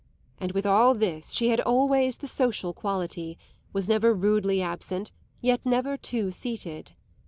And with all this she had always the social quality, was never rudely absent and yet never too seated.